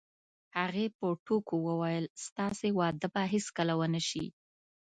هغې په ټوکو وویل: ستاسې واده به هیڅکله ونه شي.